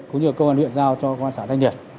cũng như là công an huyện giao cho công an xã thanh điệt